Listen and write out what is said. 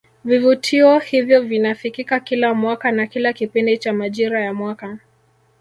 Vivutio hivyo vinafikika kila mwaka na kila kipindi cha majira ya mwaka